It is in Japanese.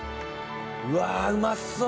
うわうまそう！